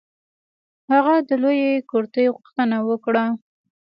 هغه د لویې کرتۍ غوښتنه وکړه.